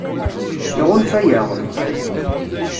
Iɣunfa-aɣ?